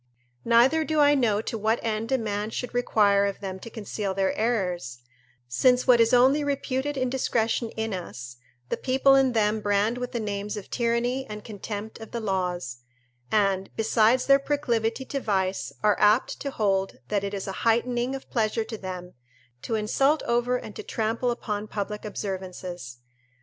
Neither do I know to what end a man should more require of them to conceal their errors, since what is only reputed indiscretion in us, the people in them brand with the names of tyranny and contempt of the laws, and, besides their proclivity to vice, are apt to hold that it is a heightening of pleasure to them, to insult over and to trample upon public observances.